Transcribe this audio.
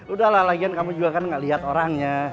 udah lah lagian kamu juga kan gak lihat orangnya